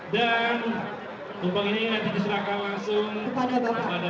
dan tumpang ini nanti diserahkan langsung kepada bapak menteri